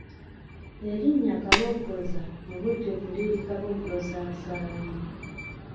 Erinnya Kaboggoza mu bujjuvu liri Kaboggozansaamu.